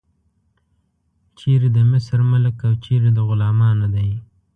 چیرې د مصر ملک او چیرې د غلامانو دی.